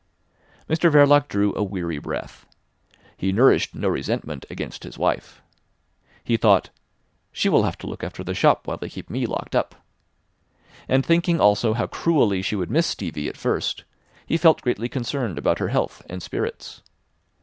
Mr Verloc drew a weary breath. He nourished no resentment against his wife. He thought: She will have to look after the shop while they keep me locked up. And thinking also how cruelly she would miss Stevie at first, he felt greatly concerned about her health and spirits.